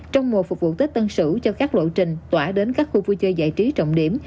trong mùa phục vụ tết tân sửu cho các lộ trình tỏa đến các khu vui chơi giải trí trọng điểm